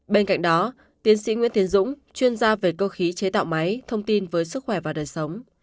bên cạnh đó tiến sĩ nguyễn tiến dũng chuyên gia về cơ khí chế tạo máy thông tin với sức khỏe và đời sống